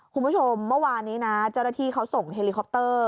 คุณผู้ชมเมื่อวานนี้นะเจ้าหน้าที่เขาส่งเฮลิคอปเตอร์